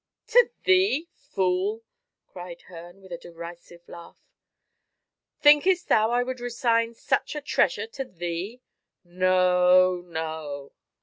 "To thee, fool!" cried Herne, with a derisive laugh. "Thinkest thou I would resign such a treasure to thee? No, no.